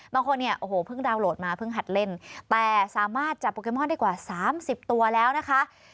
บางคนเนี่ยโอ้โหเพิ่งดาวนโหลดมาเพิ่งหัดเล่นแต่สามารถจับโปเกมอนได้กว่า๓๐ตัวแล้วนะคะ